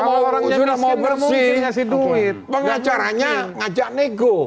polisinya mau bersih pengacaranya ngajak nego